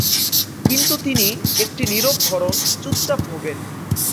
কিন্তু তিনি, একটি নীরব ধরন, চুপচাপ ভোগেন।